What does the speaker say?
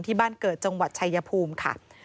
ที่บ้านเกิดจังหวัดชายภูมิค่ะ